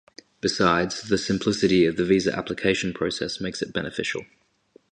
Besides, the simplicity of the visa application process makes it beneficial.